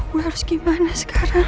gue harus gimana sekarang